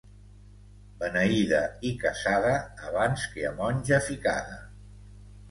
Beneïda i casada, abans que a monja ficada.